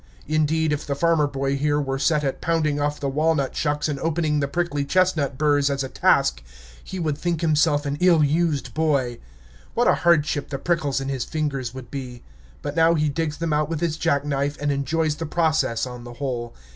Indeed, if the farmer boy here were set at pounding off the walnut shucks and opening the prickly chestnut burs as a task, he would think himself an ill used boy. What a hardship the prickles in his fingers would be! But now he digs them out with his jack knife, and enjoys the process, on the whole.